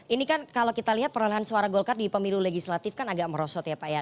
ini kan kalau kita lihat perolehan suara golkar di pemilu legislatif kan agak merosot ya pak ya